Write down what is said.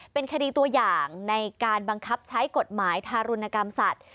เป็นคดีตัวอย่างในการบังคับใช้กฎหมายทารุณกรรมสัตว์